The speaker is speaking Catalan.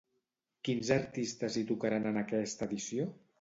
Quins artistes hi tocaran en aquesta edició?